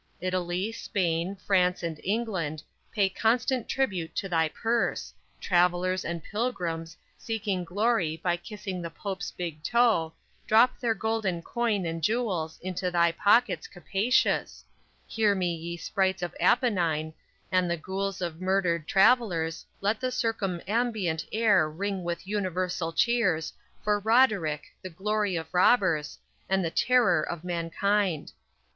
Italy, Spain, France and England Pay constant tribute to thy purse, Travelers and pilgrims, seeking glory By kissing the pope's big toe Drop their golden coin and jewels Into thy pockets capacious, Hear me, ye sprites of Apennine, And the ghouls of murdered travelers Let the circumambient air Ring with universal cheers For Roderick, the glory of Robbers, And the terror of mankind.